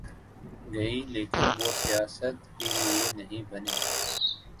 گی لیکن وہ سیاست کے لئے نہیں بنے۔